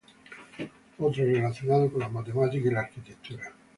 Otro relacionado con las matemáticas y la arquitectura.